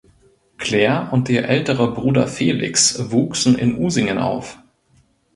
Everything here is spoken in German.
Claire und ihr älterer Bruder Felix wuchsen in Usingen auf.